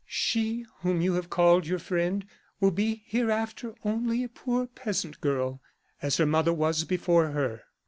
She whom you have called your friend, will be, hereafter, only a poor peasant girl, as her mother was before her.